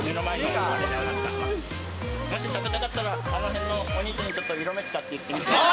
もし食べたかったら、あのへんのお兄ちゃんにちょっと色目使っていってみて。